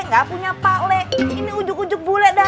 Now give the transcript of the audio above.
gak punya pale